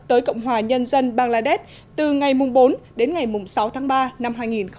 tới cộng hòa nhân dân bangladesh từ ngày bốn đến ngày sáu tháng ba năm hai nghìn hai mươi